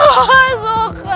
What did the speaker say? aku masuk ke